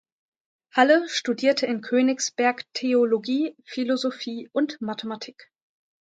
Halle studierte in Königsberg Theologie, Philosophie und Mathematik.